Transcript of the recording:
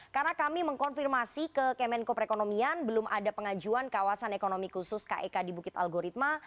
karena kami mengkonfirmasi ke kemenkoperekonomian belum ada pengajuan kawasan ekonomi khusus kek di bukit algoritma